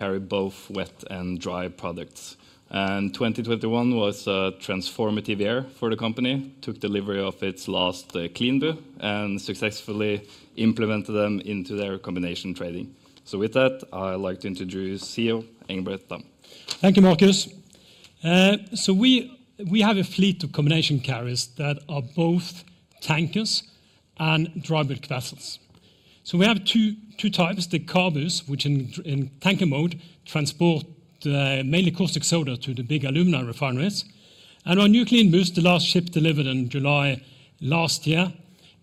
Carry both wet and dry products. 2021 was a transformative year for the company, took delivery of its last CLEANBU and successfully implemented them into their combination trading. With that, I would like to introduce CEO Engebret Dahm. Thank you, Marcus. We have a fleet of combination carriers that are both tankers and dry bulk vessels. We have two types, the CABU, which in tanker mode transport mainly caustic soda to the big alumina refineries. Our new CLEANBU, the last ship delivered in July last year,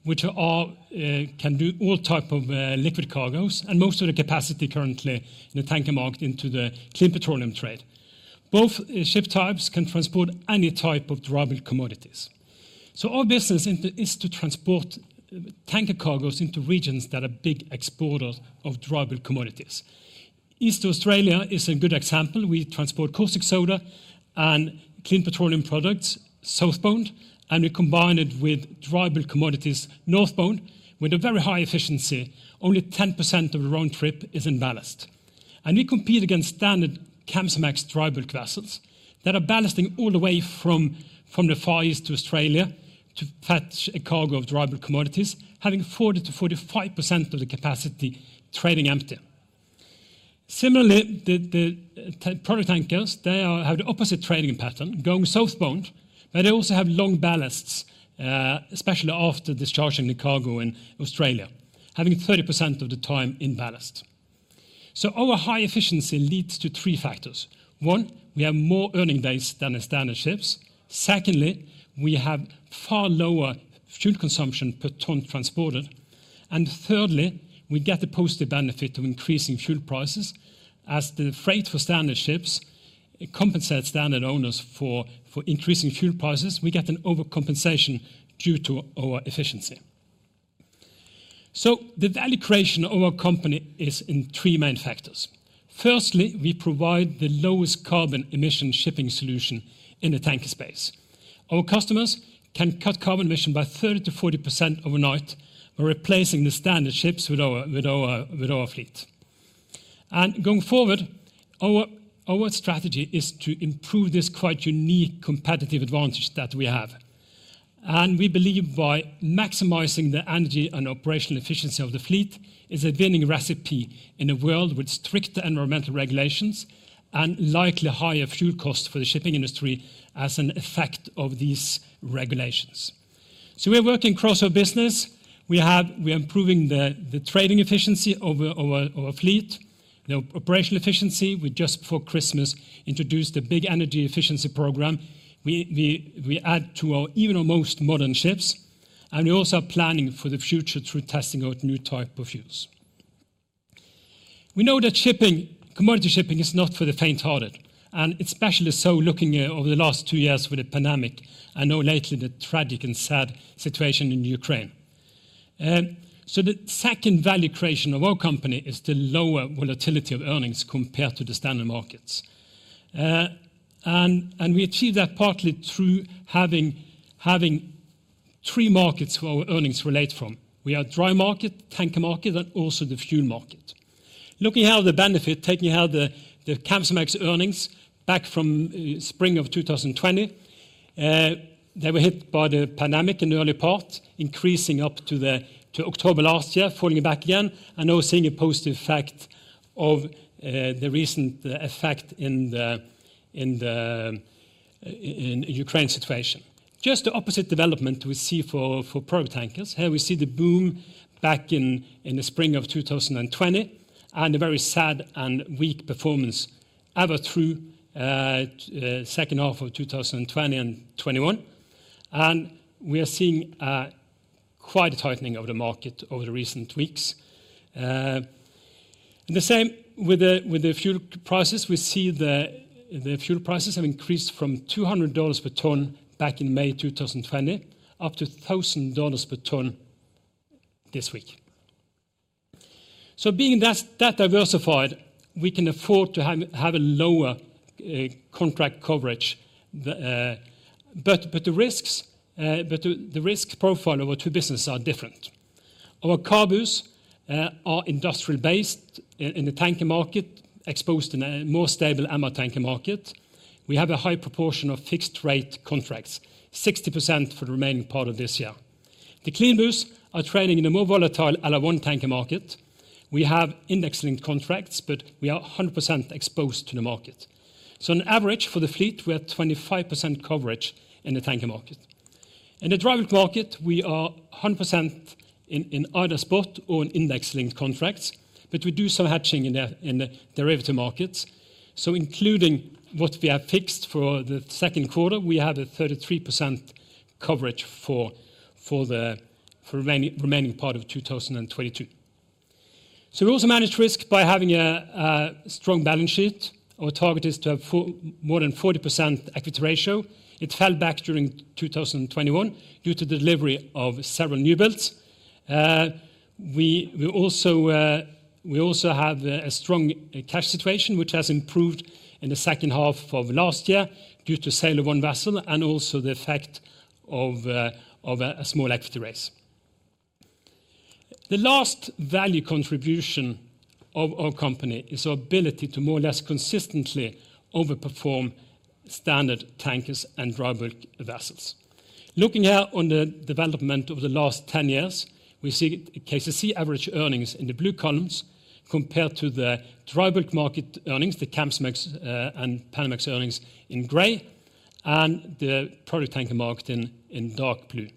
which are all can do all type of liquid cargos and most of the capacity currently in the tanker market into the clean petroleum trade. Both ship types can transport any type of dry bulk commodities. Our business is to transport tanker cargos into regions that are big exporters of dry bulk commodities. East Australia is a good example. We transport caustic soda and clean petroleum products southbound, and we combine it with dry bulk commodities northbound with a very high efficiency. Only 10% of the round trip is in ballast. We compete against standard Kamsarmax dry bulk vessels that are ballasting all the way from the Far East to Australia to fetch a cargo of dry bulk commodities, having 40%-45% of the capacity trading empty. Similarly, the product tankers have the opposite trading pattern, going southbound, but they also have long ballasts, especially after discharging the cargo in Australia, having 30% of the time in ballast. Our high efficiency leads to three factors. One, we have more earning days than the standard ships. Secondly, we have far lower fuel consumption per ton transported. Thirdly, we get the positive benefit of increasing fuel prices. As the freight for standard ships compensates standard owners for increasing fuel prices, we get an overcompensation due to our efficiency. The value creation of our company is in three main factors. Firstly, we provide the lowest carbon emission shipping solution in the tanker space. Our customers can cut carbon emission by 30%-40% overnight by replacing the standard ships with our fleet. Going forward, our strategy is to improve this quite unique competitive advantage that we have. We believe by maximizing the energy and operational efficiency of the fleet is a winning recipe in a world with strict environmental regulations and likely higher fuel costs for the shipping industry as an effect of these regulations. We are working across our business. We are improving the trading efficiency of our fleet. The operational efficiency, we just before Christmas introduced a big energy efficiency program we add to even our most modern ships. We're also planning for the future through testing out new type of fuels. We know that shipping, commodity shipping is not for the fainthearted, and especially so looking at over the last two years with the pandemic and now lately the tragic and sad situation in Ukraine. The second value creation of our company is the lower volatility of earnings compared to the standard markets. We achieve that partly through having three markets where our earnings derive from. We have dry market, tanker market, and also the fuel market. Looking at the benefit, taking out the Kamsarmax earnings back from spring of 2020, they were hit by the pandemic in the early part, increasing up to October last year, falling back again, and now seeing a positive effect of the recent effect in the in Ukraine situation. Just the opposite development we see for product tankers. Here we see the boom back in the spring of 2020 and a very sad and weak performance ever through second half of 2020 and 2021. We are seeing quite a tightening of the market over the recent weeks. The same with the fuel prices. We see the fuel prices have increased from $200 per ton back in May 2020 up to $1,000 per ton this week. Being that diversified, we can afford to have a lower contract coverage. The risk profile of our two businesses are different. Our CABU are industrially based in the tanker market, exposed in a more stable MR tanker market. We have a high proportion of fixed rate contracts, 60% for the remaining part of this year. The CLEANBU are trading in a more volatile LR1 tanker market. We have index-linked contracts, but we are 100% exposed to the market. On average for the fleet, we are at 25% coverage in the tanker market. In the dry bulk market, we are 100% in either spot or in index-linked contracts, but we do some hedging in the derivative markets. Including what we have fixed for the second quarter, we have 33% coverage for the remaining part of 2022. We also manage risk by having a strong balance sheet. Our target is to have more than 40% equity ratio. It fell back during 2021 due to the delivery of several newbuilds. We also have a strong cash situation, which has improved in the second half of last year due to sale of one vessel and also the effect of a small equity raise. The last value contribution of our company is our ability to more or less consistently overperform standard tankers and dry bulk vessels. Looking here on the development over the last 10 years, we see KCC average earnings in the blue columns compared to the dry bulk market earnings, the Capesize and Panamax earnings in gray and the product tanker market in dark blue.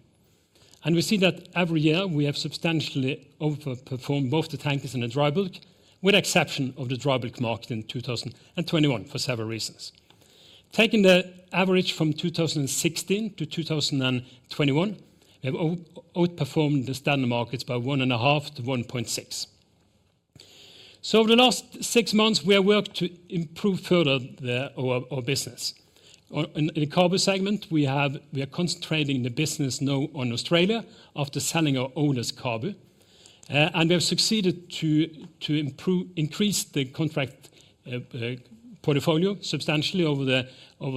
We see that every year we have substantially overperformed both the tankers and the dry bulk, with exception of the dry bulk market in 2021 for several reasons. Taking the average from 2016-2021, we have outperformed the standard markets by 1.5%-1.6%. Over the last six months, we have worked to improve further our business. In the CABU segment we are concentrating the business now on Australia after selling our oldest CABU. We have succeeded to increase the contract portfolio substantially over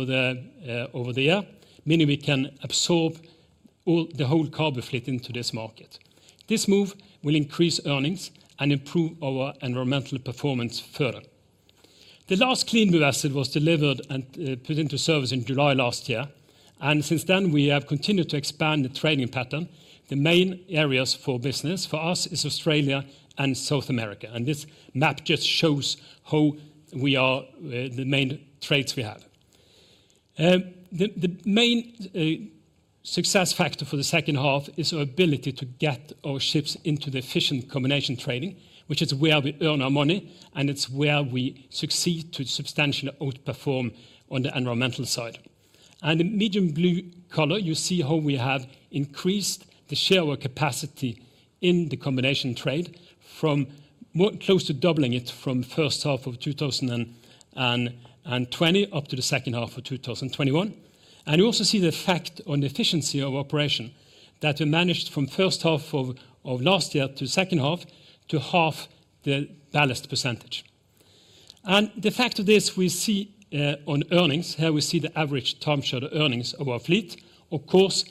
the year, meaning we can absorb the whole CABU fleet into this market. This move will increase earnings and improve our environmental performance further. The last CLEANBU asset was delivered and put into service in July last year, and since then we have continued to expand the trading pattern. The main areas for business for us is Australia and South America. This map just shows how we are the main trades we have. The main success factor for the second half is our ability to get our ships into the efficient combination trading, which is where we earn our money, and it's where we succeed to substantially outperform on the environmental side. In medium blue color, you see how we have increased the share of our capacity in the combination trade from more close to doubling it from first half of 2020 up to the second half of 2021. You also see the effect on the efficiency of operation, that we managed from first half of last year to second half to halve the ballast percentage. The effect of this we see on earnings. Here we see the average time charter earnings of our fleet. Of course,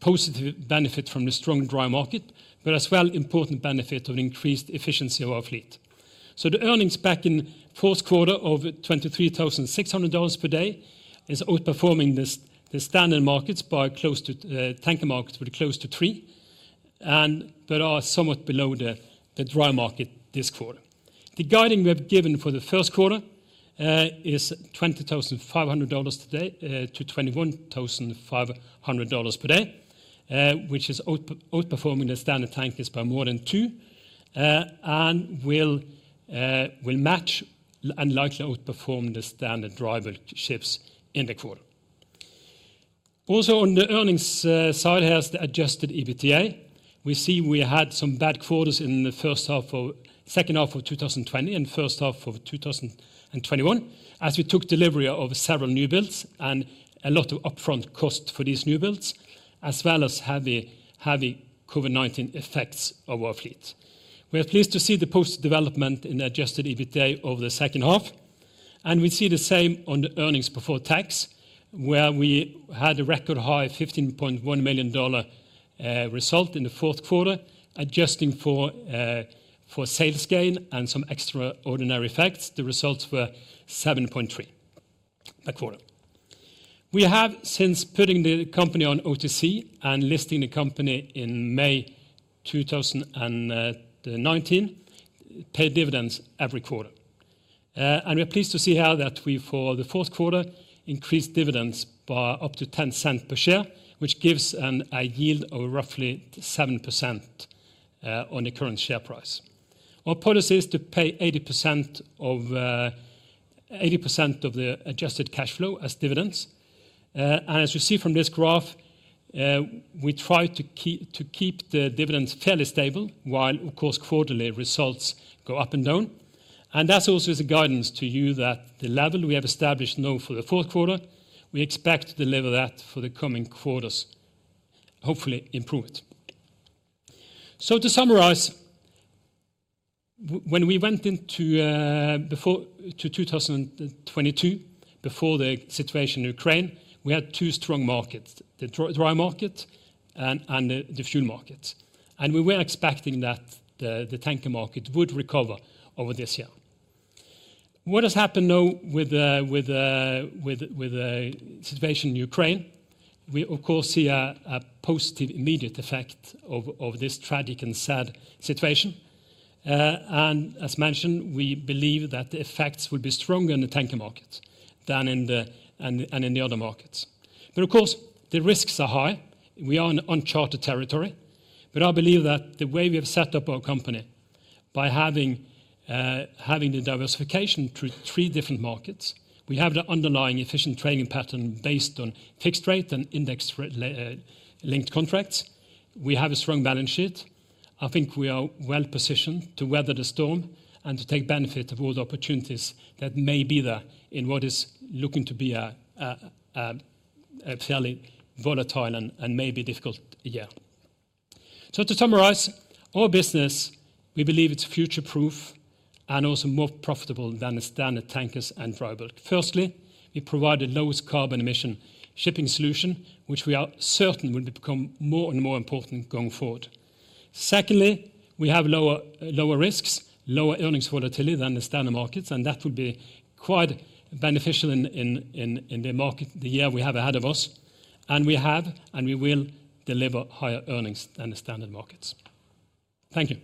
positive benefit from the strong dry market, but as well important benefit of increased efficiency of our fleet. The earnings back in fourth quarter of $23,600 per day is outperforming the standard tanker markets by close to $3,000 but are somewhat below the dry market this quarter. The guidance we have given for the first quarter is $20,500-$21,500 per day, which is outperforming the standard tankers by more than $2,000 and will match and likely outperform the standard dry bulk ships in the quarter. Also on the earnings side, here is the adjusted EBITDA. We see we had some bad quarters in the second half of 2020 and first half of 2021, as we took delivery of several new builds and a lot of upfront cost for these new builds, as well as heavy COVID-19 effects on our fleet. We are pleased to see the positive development in the adjusted EBITDA over the second half, and we see the same on the earnings before tax, where we had a record high $15.1 million result in the fourth quarter. Adjusting for sales gain and some extraordinary effects, the results were $7.3 million that quarter. We have, since putting the company on OTC and listing the company in May 2019, paid dividends every quarter. We are pleased to see here that we, for the fourth quarter, increased dividends by up to $0.10 per share, which gives a yield of roughly 7% on the current share price. Our policy is to pay 80% of the adjusted cash flow as dividends. As you see from this graph, we try to keep the dividends fairly stable while of course quarterly results go up and down. That also is a guidance to you that the level we have established now for the fourth quarter, we expect to deliver that for the coming quarters, hopefully improve it. To summarize, when we went into 2022, before the situation in Ukraine, we had two strong markets, the dry market and the fuel market. We were expecting that the tanker market would recover over this year. What has happened now with the situation in Ukraine, we of course see a positive immediate effect of this tragic and sad situation. As mentioned, we believe that the effects will be stronger in the tanker market than in the other markets. Of course, the risks are high. We are in uncharted territory. I believe that the way we have set up our company by having the diversification through three different markets, we have the underlying efficient trading pattern based on fixed rate and index-linked contracts. We have a strong balance sheet. I think we are well positioned to weather the storm and to take benefit of all the opportunities that may be there in what is looking to be a fairly volatile and maybe difficult year. To summarize, our business, we believe it's future-proof and also more profitable than the standard tankers and dry bulk. Firstly, we provide the lowest carbon emission shipping solution, which we are certain will become more and more important going forward. Secondly, we have lower risks, lower earnings volatility than the standard markets, and that will be quite beneficial in the market, the year we have ahead of us. We have and we will deliver higher earnings than the standard markets. Thank you.